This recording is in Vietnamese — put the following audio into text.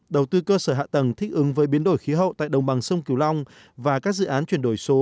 đầu tư cơ sở hạ tầng thích ứng với biến đổi khí hậu tại đồng bằng sông kiều long và các dự án chuyển đổi số